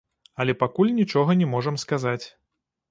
Але пакуль нічога не можам сказаць.